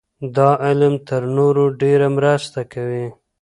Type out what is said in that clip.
دا علم تر نورو ډېره مرسته کوي.